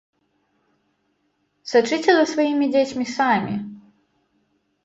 Сачыце за сваімі дзецьмі самі!